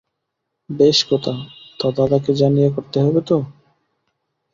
বেশ কথা, তা দাদাকে জানিয়ে করতে হবে তো?